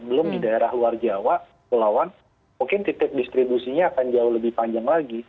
belum di daerah luar jawa pulauan mungkin titik distribusinya akan jauh lebih panjang lagi